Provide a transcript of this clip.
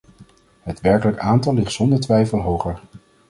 Het werkelijke aantal ligt zonder twijfel hoger.